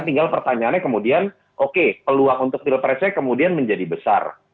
tinggal pertanyaannya kemudian oke peluang untuk pilpresnya kemudian menjadi besar